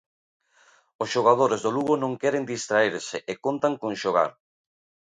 Os xogadores do Lugo non queren distraerse e contan con xogar.